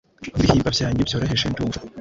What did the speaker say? Nkibihimba byanyu byoroheje ndumva